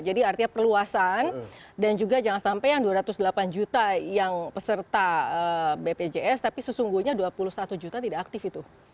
jadi artinya perluasan dan juga jangan sampai yang dua ratus delapan juta yang peserta bpjs tapi sesungguhnya dua puluh satu juta tidak aktif itu